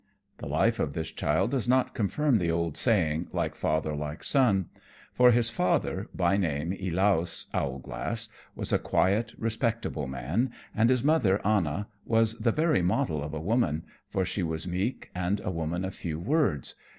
The life of this child does not confirm the old saying, "like father like son," for his father, by name Elaus Owlglass, was a quiet respectable man, and his mother, Anna, was the very model of a woman, for she was meek and a woman of few words.